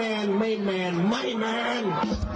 แม่งไม่แม่งไม่แม่ง